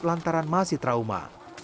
lantaran masih trauma